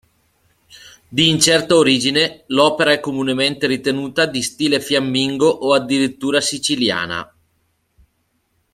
Di incerta origine l'opera è comunemente ritenuta di stile fiammingo o addirittura siciliana.